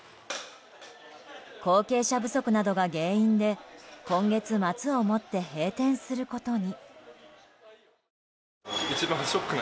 後継者不足などが原因で今月末をもって閉店することに。